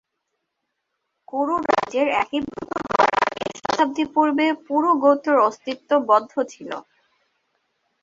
কুরু রাজ্যে একীভূত হওয়ার আগে শতাব্দী পূর্বে পুরু গোত্রের অস্তিত্ব বন্ধ ছিল।